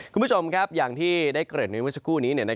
คุณผู้ชมครับอย่างที่ได้เกิดในเมื่อสักครู่นี้